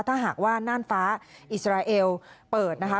ถ้าหากว่าน่านฟ้าอิสราเอลเปิดนะคะ